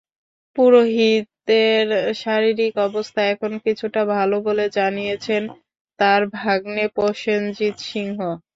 পুরোহিতের শারীরিক অবস্থা এখন কিছুটা ভালো বলে জানিয়েছেন তাঁর ভাগনে প্রসেনজিৎ সিংহ।